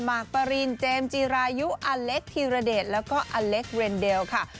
มากปรินเจมส์จีรายุอเล็กธีรเดชแล้วก็อเล็กเรนเดลค่ะ